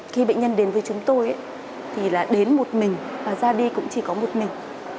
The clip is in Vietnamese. khi bệnh nhân đến với chúng tôi thì là đến một mình và ra đi cũng chỉ có một mình